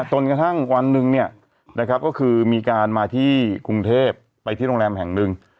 จนกระทั่งวันหนึ่งก็คือมีการมาที่กรุงเทพไปที่โรงแรมแห่งหนึ่ง